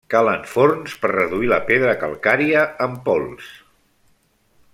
Calen forns per reduir la pedra calcària en pols.